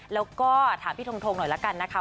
แล้วก็ถามพี่ทงหน่อยละกันนะคะ